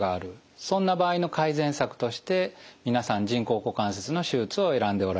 そんな場合の改善策として皆さん人工股関節の手術を選んでおられます。